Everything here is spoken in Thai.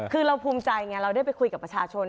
คือเราภูมิใจไงเราได้ไปคุยกับประชาชน